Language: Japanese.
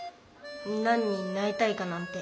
何になりたいかなんて。